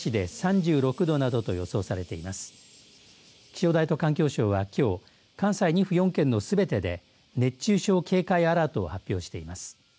気象台と環境省はきょう関西２府４県のすべてで熱中症警戒アラートを発表しています。